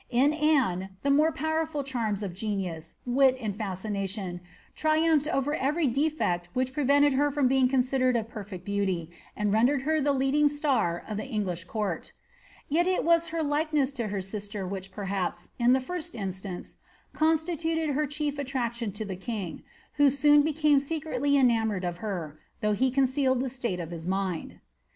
In Anne, the more powerful charms of genius, wit, and fascination, tri umphed over every defect which prevented her from being considered a perfect beauty, and rendered her the leading star of the English court Vet it was her likeness to her sister which perhaps, in tlie first instance, constituted her chief attiaction with the king, who soon became secretly enamoured of her, though he concealed the state of his mind.